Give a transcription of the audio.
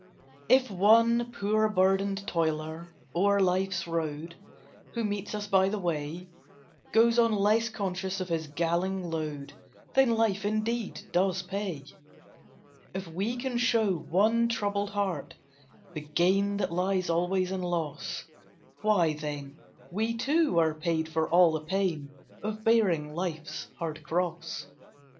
If one poor burdened toiler o'er life's road, Who meets us by the way, Goes on less conscious of his galling load, Then life, indeed, does pay. If we can show one troubled heart the gain That lies alway in loss, Why, then, we too are paid for all the pain Of bearing life's hard cross.